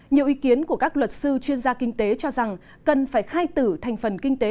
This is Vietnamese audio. nhiều ý kiến của các luật sư chuyên gia kinh tế cho rằng cần phải khai tử thành phần kinh tế